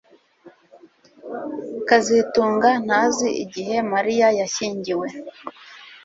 kazitunga ntazi igihe Mariya yashyingiwe